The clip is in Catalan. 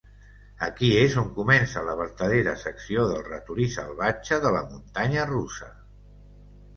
Aquí es on comença la vertadera secció del ratolí salvatge de la muntanya russa.